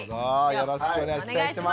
よろしくお願いします